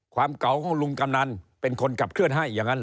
ความเก่าของลุงกำนันเป็นคนขับเคลื่อนให้อย่างนั้นเห